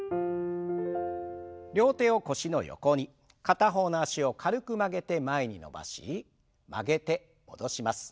片方の脚を軽く曲げて前に伸ばし曲げて戻します。